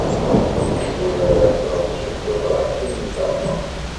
Netturar ṭṭrenǧ deg tebraḥt n damma.